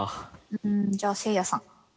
うんじゃあせいやさん。